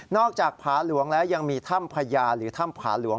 จากผาหลวงแล้วยังมีถ้ำพญาหรือถ้ำผาหลวง